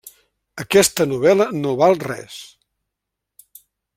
Aquesta novel·la no val res.